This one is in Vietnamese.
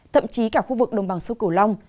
thậm chí cả khu vực đồng bằng sông cửu long